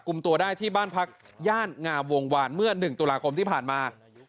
กลุ่มตัวได้ที่บ้านพักย่านงามวงวานเมื่อ๑ตุลาคมที่ผ่านมา